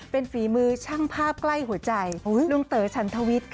เป็นฝีมือช่างภาพใกล้หัวใจลุงเต๋อฉันทวิทย์ค่ะ